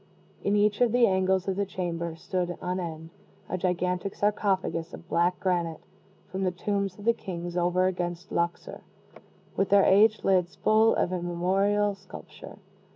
In each of the angles of the chamber stood on end a gigantic sarcophagus of black granite, from the tombs of the kings over against Luxor, with their aged lids full of immemorial sculpture.